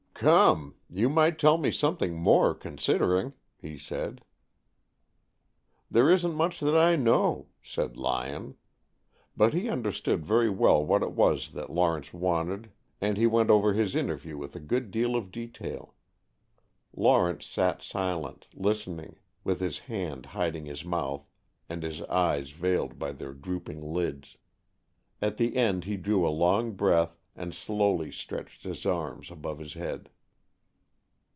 "Come, you might tell me something more, considering!" he said. "There isn't much that I know," said Lyon. But he understood very well what it was that Lawrence wanted and he went over his interview with a good deal of detail. Lawrence sat silent, listening, with his hand hiding his mouth and his eyes veiled by their drooping lids. At the end he drew a long breath and slowly stretched his arms above his head.